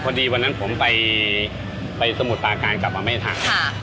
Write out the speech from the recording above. วันนั้นผมไปสมุทรปาการกลับมาไม่ทัน